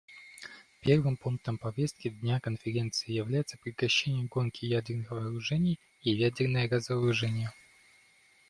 Первым пунктом повестки дня Конференции является прекращение гонки ядерных вооружений и ядерное разоружение.